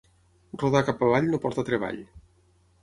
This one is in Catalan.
Rodar cap avall no porta treball.